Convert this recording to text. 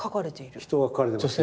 人が描かれてますね。